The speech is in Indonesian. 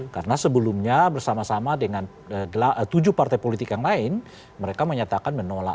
karena sebelumnya bersama sama dengan tujuh partai politik yang lain mereka menyatakan menolak